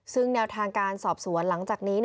ซึ่งแนวทางการสอบสวนหลังจากนี้